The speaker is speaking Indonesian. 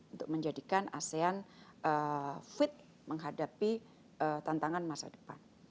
untuk menjadikan asean fit menghadapi tantangan masa depan